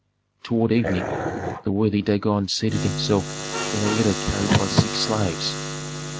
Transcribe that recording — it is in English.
Toward evening the worthy Dagon seated himself in a litter carried by six slaves.